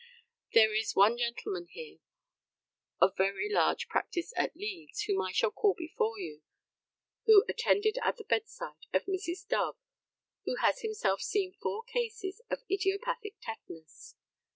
There is one gentleman here, of very large practice at Leeds, whom I shall call before you, who attended at the bedside of Mrs. Dove, who has himself seen four cases of idiopathic tetanus.